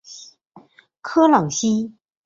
科朗西。